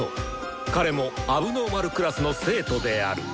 彼も問題児クラスの生徒である！